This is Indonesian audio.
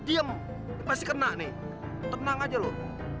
diem pasti kena nih tenang aja loh